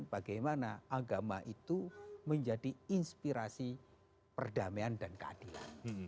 bagaimana agama itu menjadi inspirasi perdamaian dan keadilan